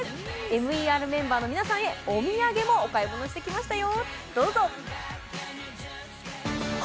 ＭＥＲメンバーの皆さんへお土産のお買い物もしてきましたよ。